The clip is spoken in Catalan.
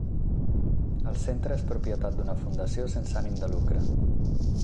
El centre és propietat d'una fundació sense ànim de lucre.